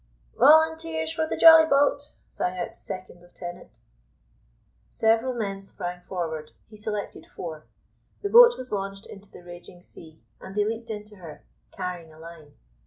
"Volunteers for the jolly boat!" sang out the second lieutenant. Several men sprang forward; he selected four. The boat was launched into the raging sea, and they leaped into her, carrying a line.